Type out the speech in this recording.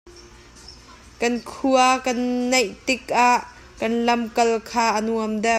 Kan khua kan naih tikah kan lam kal tha a nuam deuh.